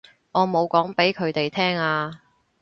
我冇講畀佢哋聽啊